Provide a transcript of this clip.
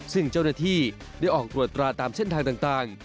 ซึ่งเจ้าหน้าที่ได้ออกตรวจตราตามเส้นทางต่าง